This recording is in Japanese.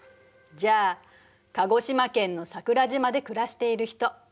じゃあ鹿児島県の桜島で暮らしている人。